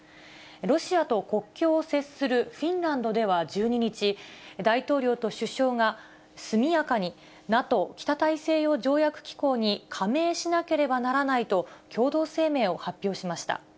ロシアと国境を接するフィンランドでは１２日、大統領と首相が、速やかにＮＡＴＯ・北大西洋条約機構に加盟しなければならないと、共同声明を発表しました。